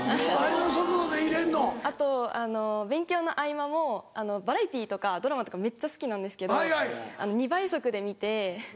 あと勉強の合間もバラエティーとかドラマとかめっちゃ好きなんですけど２倍速で見て。